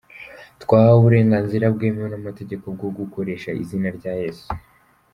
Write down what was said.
twahawe uburenganzira bwemewe n'amategeko bwo gukoresha izina rya yesu.